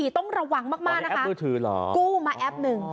ต้องระวังมากนะคะกู้มาแอปหนึ่ง